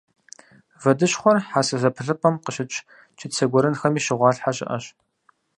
Вэдыщхъуэр хьэсэ зэпылъыпӏэм къыщыкӏ чыцэ гуэрэнхэми щыгъуалъхьэ щыӏэщ.